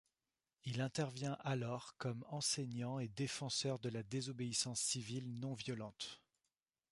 Il intervient alors comme enseignant et défenseur de la désobéissance civile non violente.